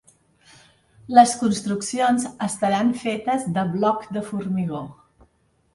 Les construccions estaran fetes de bloc de formigó.